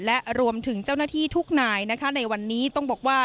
และรวมถึงเจ้าหน้าที่ทุกนายนะคะในวันนี้ต้องบอกว่า